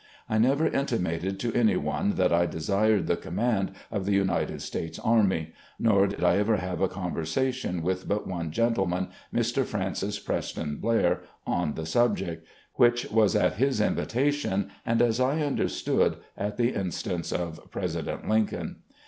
I never intimated to any one that I desired the command of the United States Army; nor did I ever have a conversation with but one gentle man, Mr. Francis Preston Blair, on the subject, which was at his invitation, and, as I imderstood, at the instance of President Lincoln.